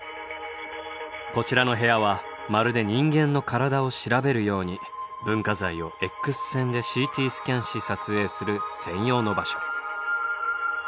こちらの部屋はまるで人間の体を調べるように文化財をＸ線でＣＴスキャンし撮影する専用の場所。